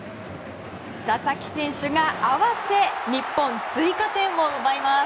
佐々木選手が合わせ日本、追加点を奪います。